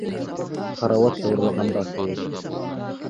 Карауат шығырлаған да кеүек.